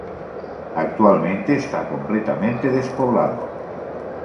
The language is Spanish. Actualmente está completamente despoblado.